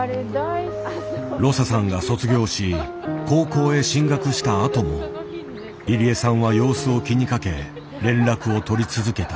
ロサさんが卒業し高校へ進学したあとも入江さんは様子を気にかけ連絡を取り続けた。